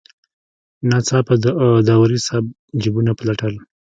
ناڅاپه داوري صاحب جیبونه پلټل.